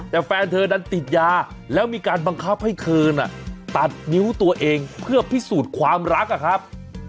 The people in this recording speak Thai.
แต่แฟนเธอนั้นติดยาแล้วมีการบังคับให้เธอน่ะตัดนิ้วตัวเองเพื่อพิสูจน์ความรักอะครับ